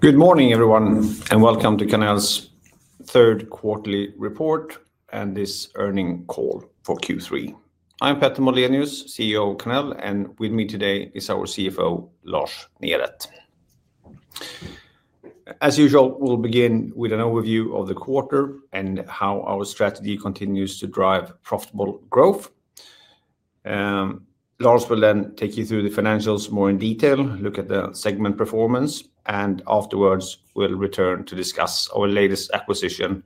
Good morning, everyone, and welcome to Karnell's third quarterly report and this earnings call for Q3. I'm Petter Moldenius, CEO of Karnell, and with me today is our CFO, Lars Neret. As usual, we'll begin with an overview of the quarter and how our strategy continues to drive profitable growth. Lars will then take you through the financials more in detail, look at the segment performance, and afterwards, we'll return to discuss our latest acquisition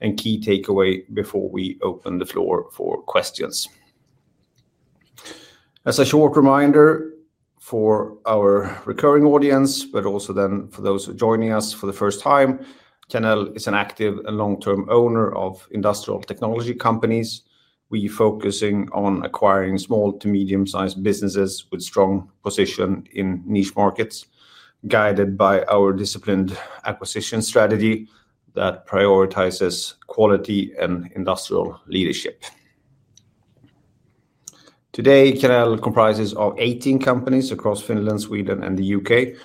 and key takeaway before we open the floor for questions. As a short reminder for our recurring audience, but also then for those joining us for the first time, Karnell is an active and long-term owner of industrial technology companies. We are focusing on acquiring small to medium-sized businesses with strong positions in niche markets, guided by our disciplined acquisition strategy that prioritizes quality and industrial leadership. Today, Karnell comprises 18 companies across Finland, Sweden, and the U.K.,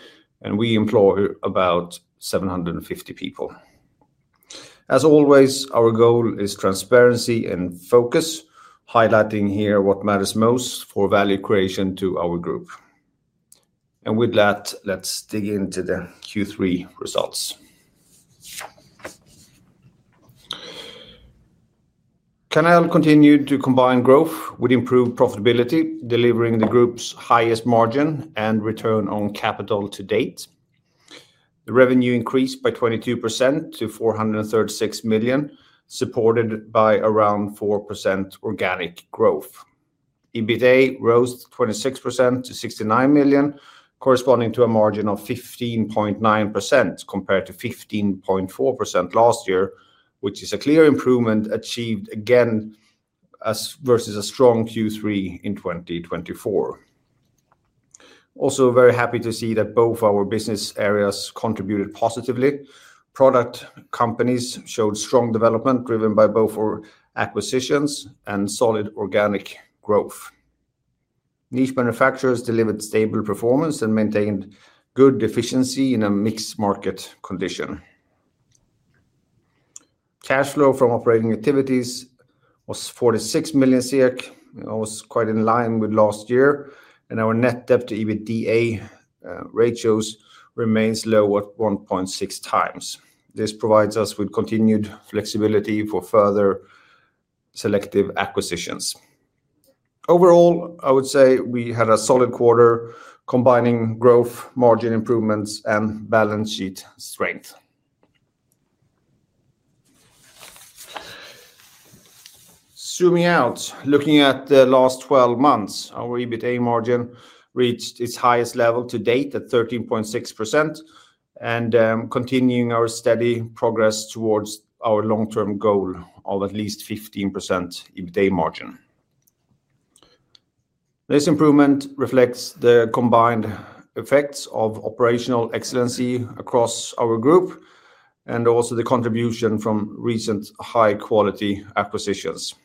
and we employ about 750 people. As always, our goal is transparency and focus, highlighting here what matters most for value creation to our group. With that, let's dig into the Q3 results. Karnell continued to combine growth with improved profitability, delivering the group's highest margin and return on capital to date. The revenue increased by 22% to 436 million, supported by around 4% organic growth. EBITDA rose 26% to 69 million, corresponding to a margin of 15.9% compared to 15.4% last year, which is a clear improvement achieved again versus a strong Q3 in 2024. Also, very happy to see that both our business areas contributed positively. Product companies showed strong development driven by both our acquisitions and solid organic growth. Niche manufacturers delivered stable performance and maintained good efficiency in a mixed market condition. Cash flow from operating activities was 46 million, almost quite in line with last year, and our net debt to EBITDA ratios remained low at 1.6x. This provides us with continued flexibility for further selective acquisitions. Overall, I would say we had a solid quarter combining growth, margin improvements, and balance sheet strength. Zooming out, looking at the last 12 months, our EBITDA margin reached its highest level to date at 13.6%, and continuing our steady progress towards our long-term goal of at least 15% EBITDA margin. This improvement reflects the combined effects of operational excellency across our group and also the contribution from recent high-quality acquisitions.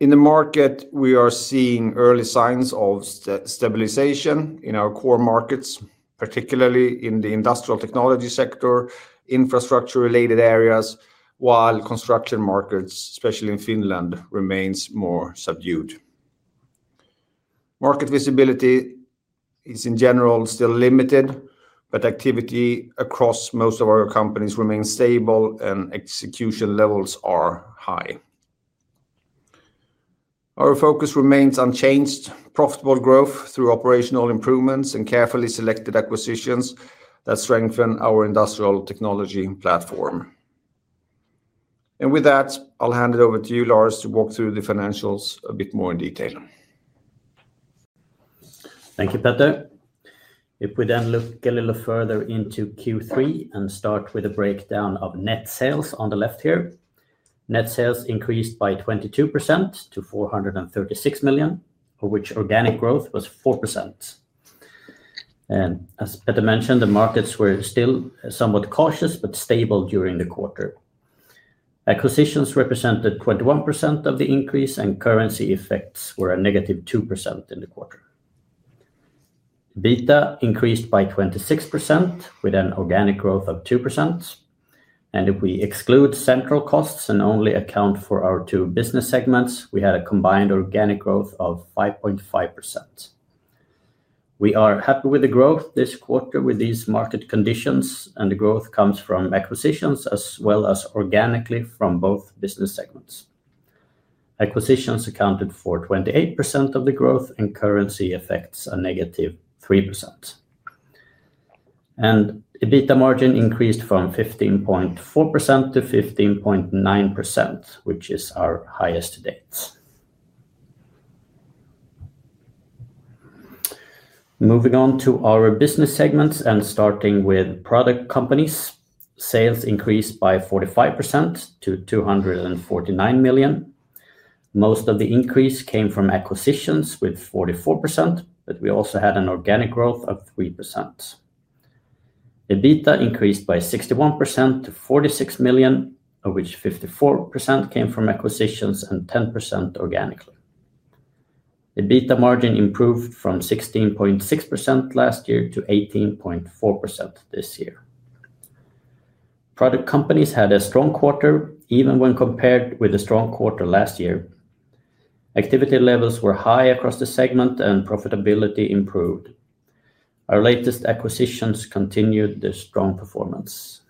In the market, we are seeing early signs of stabilization in our core markets, particularly in the industrial technology sector, infrastructure-related areas, while construction markets, especially in Finland, remain more subdued. Market visibility is, in general, still limited, but activity across most of our companies remains stable and execution levels are high. Our focus remains unchanged: profitable growth through operational improvements and carefully selected acquisitions that strengthen our industrial technology platform. With that, I'll hand it over to you, Lars, to walk through the financials a bit more in detail. Thank you, Petter. If we then look a little further into Q3 and start with a breakdown of net sales on the left here, net sales increased by 22% to 436 million, for which organic growth was 4%. As Petter mentioned, the markets were still somewhat cautious but stable during the quarter. Acquisitions represented 21% of the increase, and currency effects were a negative 2% in the quarter. EBITDA increased by 26% with an organic growth of 2%. If we exclude central costs and only account for our two business segments, we had a combined organic growth of 5.5%. We are happy with the growth this quarter with these market conditions, and the growth comes from acquisitions as well as organically from both business segments. Acquisitions accounted for 28% of the growth, and currency effects a -3%. The EBITDA margin increased from 15.4% to 15.9%, which is our highest to date. Moving on to our business segments and starting with product companies, sales increased by 45% to 249 million. Most of the increase came from acquisitions with 44%, but we also had an organic growth of 3%. The EBITDA increased by 61% to 46 million, of which 54% came from acquisitions and 10% organically. The EBITDA margin improved from 16.6% last year to 18.4% this year. Product companies had a strong quarter even when compared with the strong quarter last year. Activity levels were high across the segment, and profitability improved. Our latest acquisitions continued the strong performance.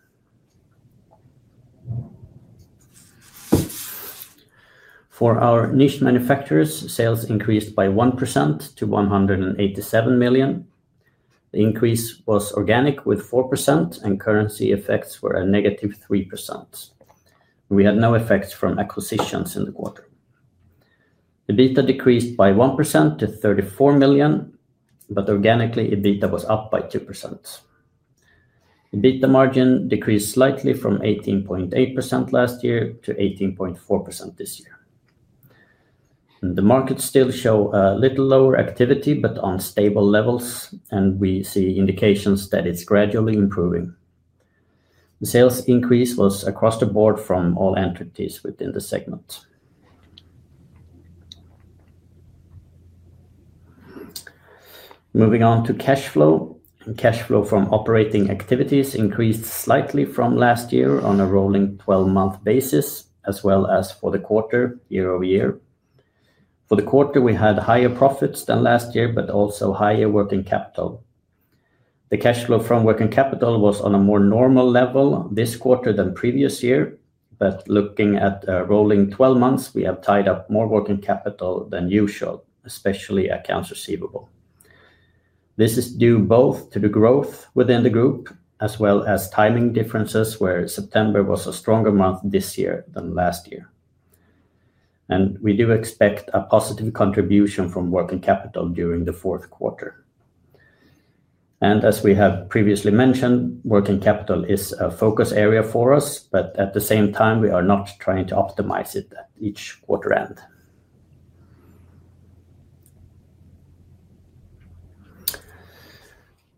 For our niche manufacturers, sales increased by 1% to 187 million. The increase was organic with 4%, and currency effects were a negative 3%. We had no effects from acquisitions in the quarter. The EBITDA decreased by 1% to 34 million, but organically, EBITDA was up by 2%. The EBITDA margin decreased slightly from 18.8% last year to 18.4% this year. The markets still show a little lower activity but on stable levels, and we see indications that it is gradually improving. The sales increase was across the board from all entities within the segment. Moving on to cash flow, cash flow from operating activities increased slightly from last year on a rolling 12-month basis, as well as for the quarter year-over-year. For the quarter, we had higher profits than last year but also higher working capital. The cash flow from working capital was on a more normal level this quarter than previous year, but looking at a rolling 12 months, we have tied up more working capital than usual, especially accounts receivable. This is due both to the growth within the group as well as timing differences where September was a stronger month this year than last year. We do expect a positive contribution from working capital during the fourth quarter. As we have previously mentioned, working capital is a focus area for us, but at the same time, we are not trying to optimize it at each quarter end.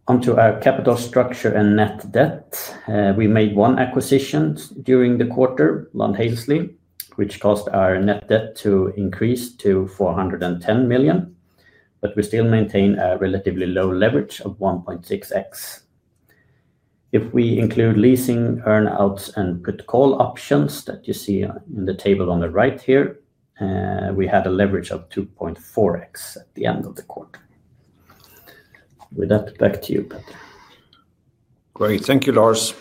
Onto our capital structure and net debt. We made one acquisition during the quarter, LundHalsey, which caused our net debt to increase to 410 million, but we still maintain a relatively low leverage of 1.6x. If we include leasing, earnouts, and put-call options that you see in the table on the right here, we had a leverage of 2.4x at the end of the quarter. With that, back to you. Great. Thank you, Lars.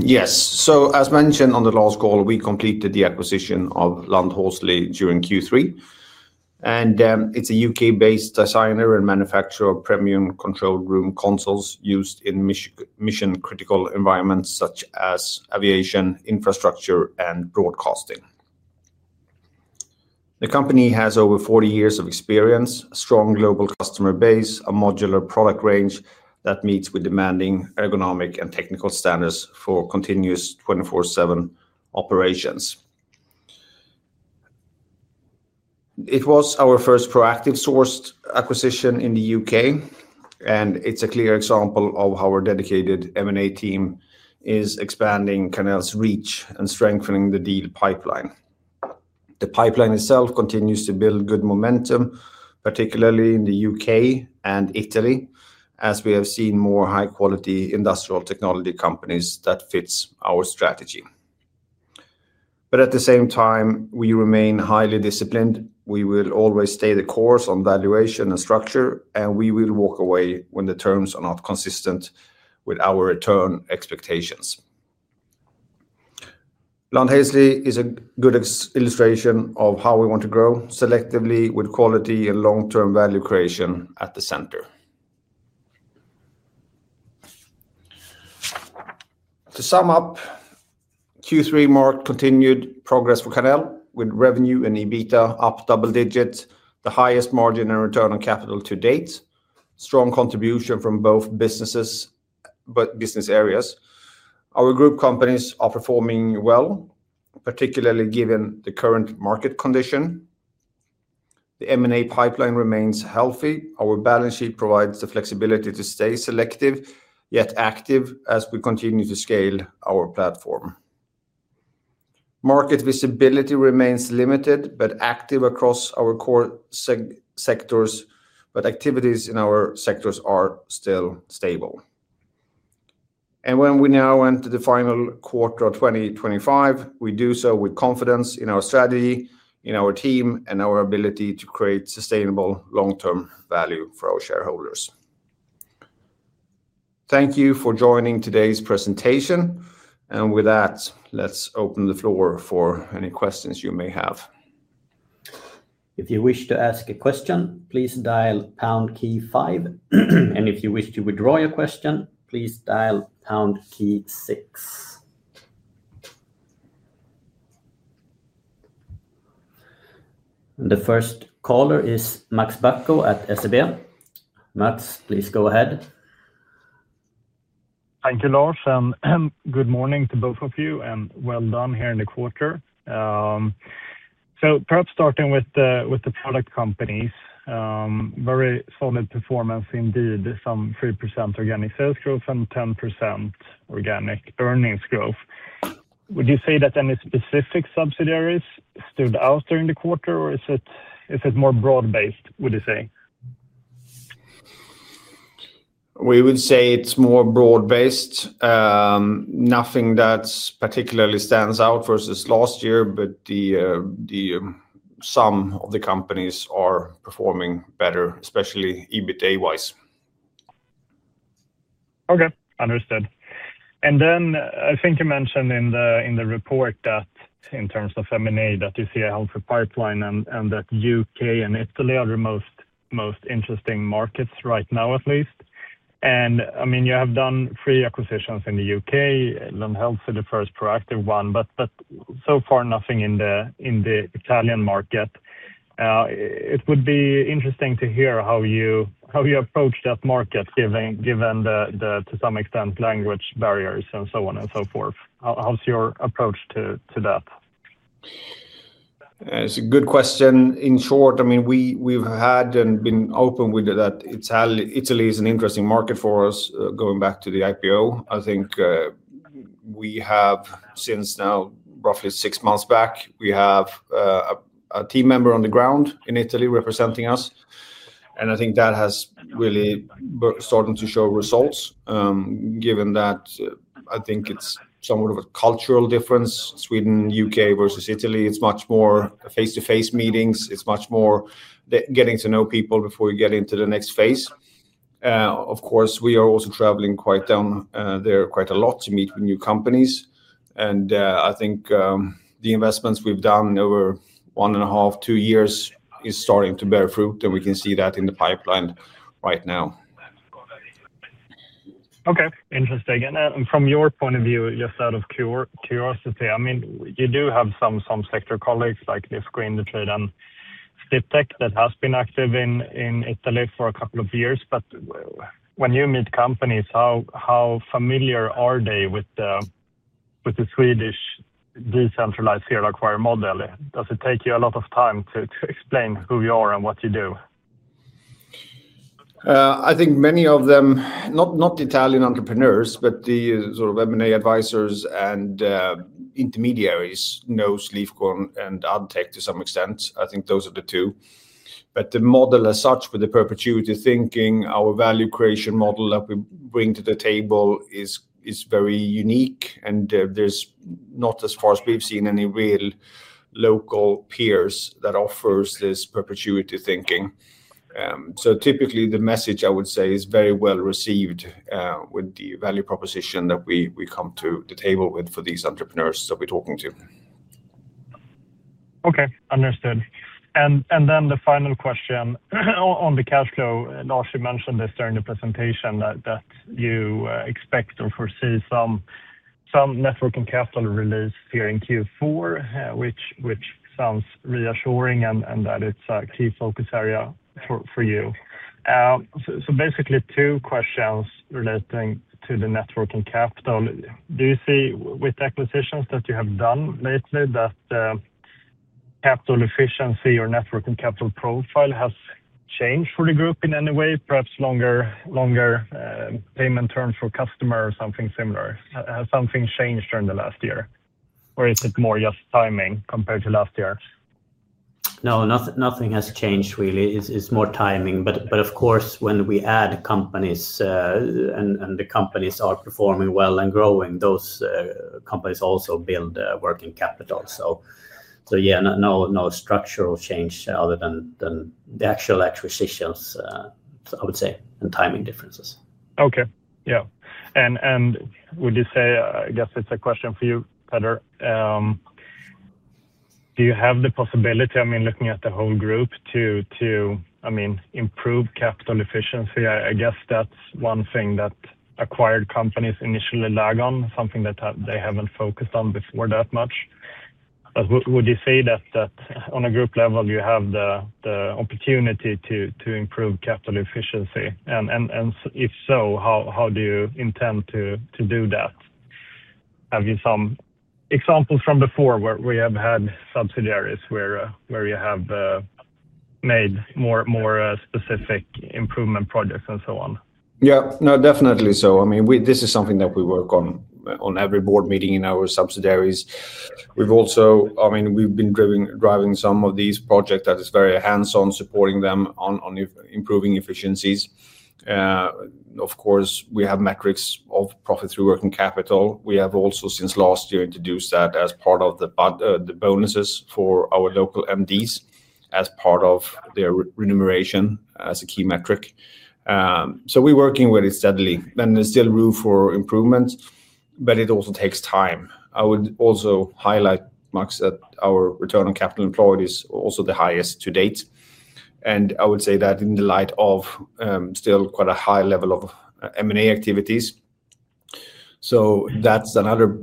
Yes. As mentioned on the last call, we completed the acquisition of LundHalsey during Q3. It is a U.K.-based designer and manufacturer of premium control room consoles used in mission-critical environments such as aviation, infrastructure, and broadcasting. The company has over 40 years of experience, a strong global customer base, and a modular product range that meets demanding ergonomic and technical standards for continuous 24/7 operations. It was our first proactively sourced acquisition in the U.K., and it is a clear example of how our dedicated M&A team is expanding Karnell's reach and strengthening the deal pipeline. The pipeline itself continues to build good momentum, particularly in the U.K. and Italy, as we have seen more high-quality industrial technology companies that fit our strategy. At the same time, we remain highly disciplined. We will always stay the course on valuation and structure, and we will walk away when the terms are not consistent with our return expectations. LundHalsey is a good illustration of how we want to grow selectively with quality and long-term value creation at the center. To sum up, Q3 marked continued progress for Karnell with revenue and EBITDA up double digits, the highest margin and return on capital to date, and strong contribution from both business areas. Our group companies are performing well, particularly given the current market condition. The M&A pipeline remains healthy. Our balance sheet provides the flexibility to stay selective yet active as we continue to scale our platform. Market visibility remains limited but active across our core sectors, and activities in our sectors are still stable. As we now enter the final quarter of 2025, we do so with confidence in our strategy, in our team, and our ability to create sustainable long-term value for our shareholders. Thank you for joining today's presentation. With that, let's open the floor for any questions you may have. If you wish to ask a question, please dial pound key five. If you wish to withdraw your question, please dial pound key six. The first caller is Max Bacco at SEB. Max, please go ahead. Thank you, Lars. Good morning to both of you and well done here in the quarter. Perhaps starting with the product companies. Very solid performance indeed, some 3% organic sales growth and 10% organic earnings growth. Would you say that any specific subsidiaries stood out during the quarter, or is it more broad-based, would you say? We would say it's more broad-based. Nothing that particularly stands out versus last year, but the sum of the companies are performing better, especially EBITDA-wise. Okay. Understood. I think you mentioned in the report that in terms of M&A you see a healthy pipeline and that U.K. and Italy are the most interesting markets right now, at least. I mean, you have done three acquisitions in the U.K., LundHalsey, the first proactive one, but so far nothing in the Italian market. It would be interesting to hear how you approach that market given the, to some extent, language barriers and so on and so forth. How is your approach to that? It's a good question. In short, I mean, we've had and been open with that Italy is an interesting market for us going back to the IPO. I think we have since now roughly six months back, we have a team member on the ground in Italy representing us. I think that has really started to show results. Given that I think it's somewhat of a cultural difference, Sweden, U.K. versus Italy, it's much more face-to-face meetings. It's much more getting to know people before you get into the next phase. Of course, we are also traveling down there quite a lot to meet with new companies. I think the investments we've done over one and a half, two years is starting to bear fruit, and we can see that in the pipeline right now. Okay. Interesting. From your point of view, just out of curiosity, I mean, you do have some sector colleagues like Lifco, Indutrade, and Addtech that have been active in Italy for a couple of years. When you meet companies, how familiar are they with the Swedish decentralized serial acquirer model? Does it take you a lot of time to explain who you are and what you do? I think many of them, not Italian entrepreneurs, but the sort of M&A advisors and intermediaries, know Lifco and Addtech to some extent. I think those are the two. The model as such, with the perpetuity thinking, our value creation model that we bring to the table is very unique. There is not, as far as we've seen, any real local peers that offer this perpetuity thinking. Typically, the message, I would say, is very well received with the value proposition that we come to the table with for these entrepreneurs that we're talking to. Okay. Understood. The final question on the cash flow, Lars mentioned this during the presentation that you expect or foresee some working capital release here in Q4, which sounds reassuring and that it's a key focus area for you. Basically, two questions relating to the working capital. Do you see with acquisitions that you have done lately that capital efficiency or working capital profile has changed for the group in any way? Perhaps longer payment term for customer or something similar. Has something changed during the last year? Or is it more just timing compared to last year? No, nothing has changed, really. It is more timing. Of course, when we add companies and the companies are performing well and growing, those companies also build working capital. Yeah, no structural change other than the actual acquisitions, I would say, and timing differences. Okay. Yeah. Would you say, I guess it's a question for you, Petter. Do you have the possibility, I mean, looking at the whole group, to improve capital efficiency? I guess that's one thing that acquired companies initially lag on, something that they haven't focused on before that much. Would you say that on a group level, you have the opportunity to improve capital efficiency? If so, how do you intend to do that? Have you some examples from before where you have had subsidiaries where you have made more specific improvement projects and so on? Yeah. No, definitely so. I mean, this is something that we work on every board meeting in our subsidiaries. I mean, we've been driving some of these projects that is very hands-on, supporting them on improving efficiencies. Of course, we have metrics of profit through working capital. We have also, since last year, introduced that as part of the bonuses for our local MDs as part of their remuneration as a key metric. We're working with it steadily, and there's still room for improvement, but it also takes time. I would also highlight, Max, that our return on capital employed is also the highest to date. I would say that in the light of still quite a high level of M&A activities. That's another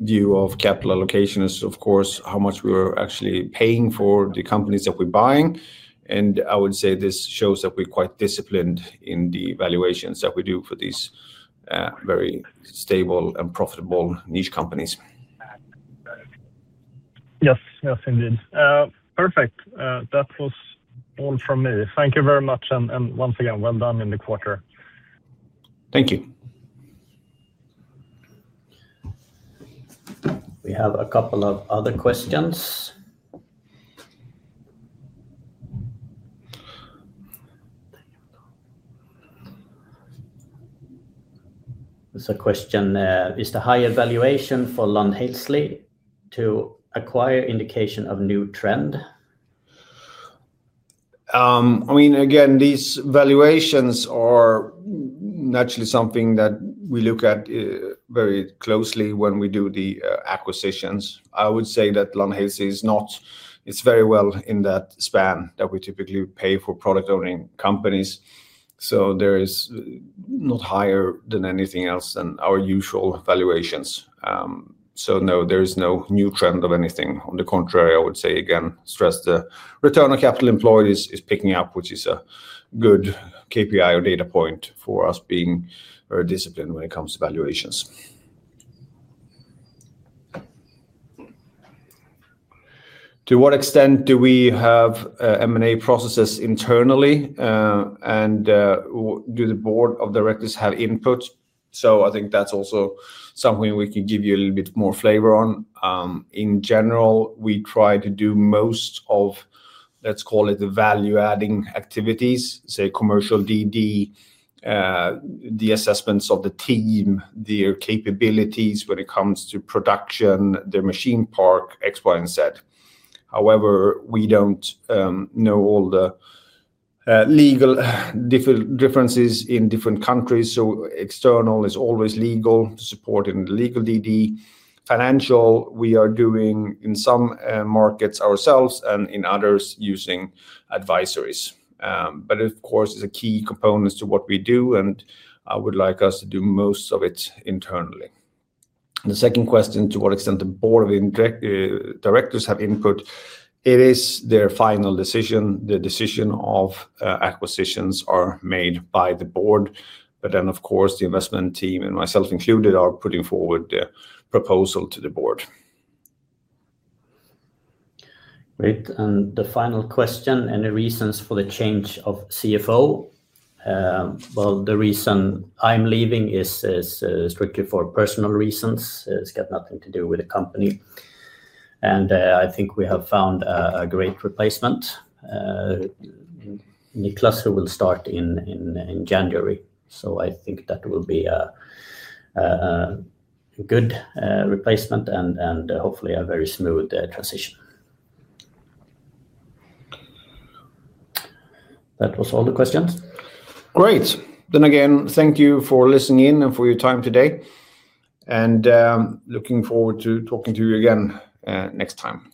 view of capital allocation is, of course, how much we are actually paying for the companies that we're buying. I would say this shows that we're quite disciplined in the evaluations that we do for these. Very stable and profitable niche companies. Yes. Yes, indeed. Perfect. That was all from me. Thank you very much. Once again, well done in the quarter. Thank you. We have a couple of other questions. There's a question. Is the higher valuation for LundHalsey to acquire indication of new trend? I mean, again, these valuations are naturally something that we look at very closely when we do the acquisitions. I would say that LundHalsey is very well in that span that we typically pay for product-owning companies. There is not higher than anything else than our usual valuations. No, there is no new trend of anything. On the contrary, I would say, again, stress the return on capital employed is picking up, which is a good KPI or data point for us being very disciplined when it comes to valuations. To what extent do we have M&A processes internally? Do the board of directors have input? I think that is also something we can give you a little bit more flavor on. In general, we try to do most of, let's call it, the value-adding activities, say, commercial DD, the assessments of the team, their capabilities when it comes to production, their machine park, X, Y, and Z. However, we do not know all the legal differences in different countries, so external is always legal to support in the legal DD. Financial, we are doing in some markets ourselves and in others using advisories. Of course, it is a key component to what we do, and I would like us to do most of it internally. The second question, to what extent the board of directors have input. It is their final decision. The decision of acquisitions is made by the board. Of course, the investment team and myself included are putting forward the proposal to the board. Great. The final question, any reasons for the change of CFO? The reason I'm leaving is strictly for personal reasons. It's got nothing to do with the company. I think we have found a great replacement. Niklas, who will start in January. I think that will be a good replacement and hopefully a very smooth transition. That was all the questions. Great. Again, thank you for listening in and for your time today. Looking forward to talking to you again next time. Thank you.